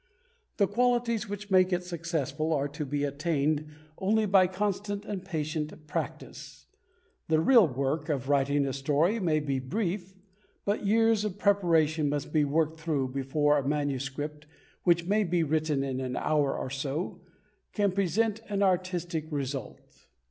The qualities which make it successful are to be attained only by constant and patient practice. The real work of writing a story may be brief, but years of preparation must be worked through before a manuscript, which may be written in an hour or so, can present an artistic result.